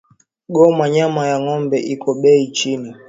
Goma nyama ya ngombe iko beyi chini